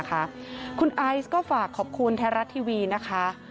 คุณไอซ์ก็ฝากขอบคุณไทยรัฐทีวีนะคะ